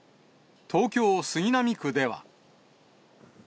東京・杉並区では。